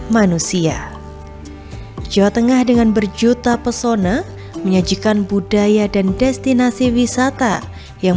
manusia jawa tengah dengan berjuta pesona menyajikan budaya dan destinasi wisata yang